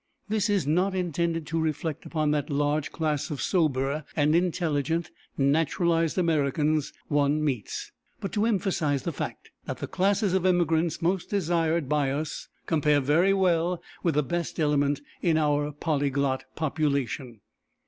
This is not intended to reflect upon that large class of sober and intelligent naturalized Americans one meets; but to emphasize the fact, that the classes of immigrants most desired by us, compare very well with the best element in our polyglot population.